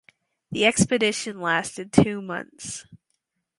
The expedition lasted two months.